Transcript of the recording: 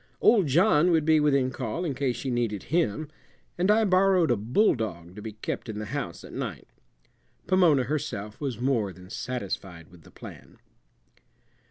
Old John would be within call in case she needed him, and I borrowed a bulldog to be kept in the house at night. Pomona herself was more than satisfied with the plan.